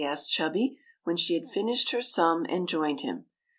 " asked Chubby, when she had finished her sum and joined him.